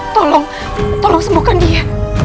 tolong tolong sembuhkan dia